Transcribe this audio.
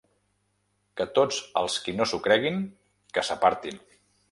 Que tots els qui no s’ho creguin, que s’apartin.